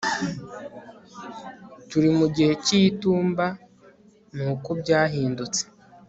turi mugihe cyitumba nuko byahindutse